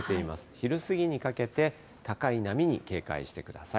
昼過ぎにかけて、高い波に警戒してください。